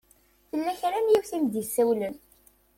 Tella kra n yiwet i m-d-isawlen.